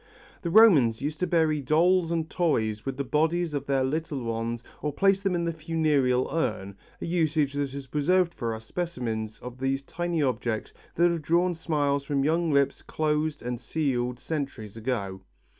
The Romans used to bury dolls and toys with the bodies of their little ones or place them in the funereal urn, a usage that has preserved for us specimens of these tiny objects that have drawn smiles from young lips closed and sealed centuries ago.